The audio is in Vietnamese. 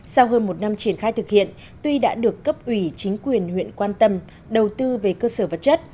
sau hơn một năm triển khai thực hiện tuy đã được cấp ủy chính quyền huyện quan tâm đầu tư về cơ sở vật chất